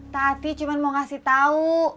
tati cuma mau ngasih tau